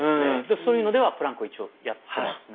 そういうのではプランクを一応やってますね。